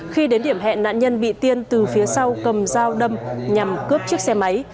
khi đến điểm hẹn nạn nhân bị tiên từ phía sau cầm dao đâm nhằm cướp chiếc xe máy